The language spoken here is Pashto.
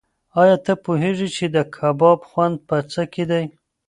ایا ته پوهېږې چې د کباب خوند په څه کې دی؟